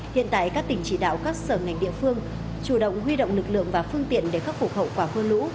hiện tại các tỉnh chỉ đạo các sở ngành địa phương chủ động huy động lực lượng và phương tiện để khắc phục hậu quả mưa lũ